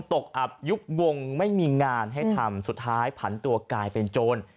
อับยุบวงไม่มีงานให้ทำสุดท้ายผันตัวกลายเป็นโจร